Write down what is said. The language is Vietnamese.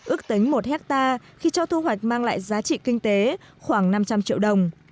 ước tính một hectare khi cho thu hoạch mang lại giá trị kinh tế khoảng năm trăm linh triệu đồng